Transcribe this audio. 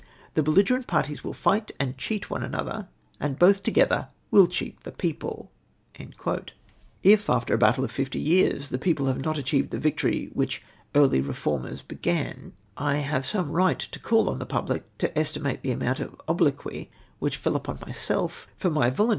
The belligerent jiarties ivill f</ht and cheat one another, and both together ivill cheat the people T' If after a battle of fifty years the people have not achieved the victory which early Eeformers began, I have some right to call on the public to estimate the amount of obloquy which befell myself for my volun 132 THOUGH MODERATE, RESENTED.